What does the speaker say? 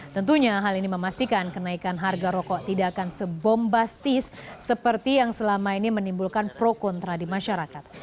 tentunya hal ini memastikan kenaikan harga rokok tidak akan sebombastis seperti yang selama ini menimbulkan pro kontra di masyarakat